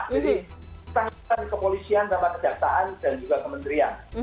jadi kita hukuman kepolisian sama kejaksaan dan juga kementerian